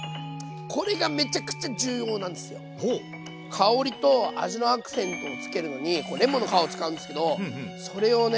香りと味のアクセントをつけるのにレモンの皮を使うんですけどそれをね